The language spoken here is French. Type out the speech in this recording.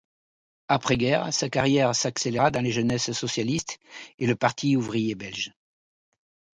Après-guerre, sa carrière s'accéléra dans les jeunesses socialistes et le parti ouvrier belge.